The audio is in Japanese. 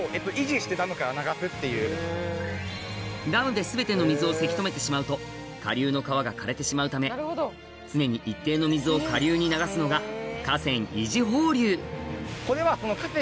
ダムで全ての水をせき止めてしまうと下流の川が枯れてしまうため常に一定の水を下流に流すのが河川維持放流